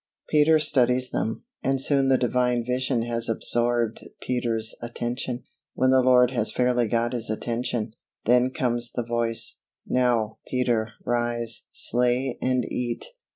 Peter studies them, and soon the Divine vision has absorbed Peter's attention. When the Lord has fairly got his attention, then comes the voice, "Now, Peter, rise, slay and eat."